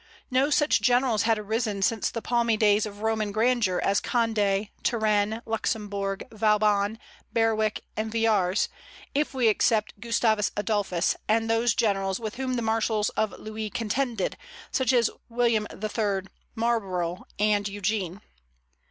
No such generals had arisen since the palmy days of Roman grandeur as Condé, Turenne, Luxembourg, Vauban, Berwick, and Villars, if we except Gustavus Adolphus, and those generals with whom the marshals of Louis contended, such as William III., Marlborough, and Eugene.